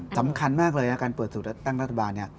สำคัญมากเลยนะการเปิดสูตรตั้งรัฐบาลเนี่ย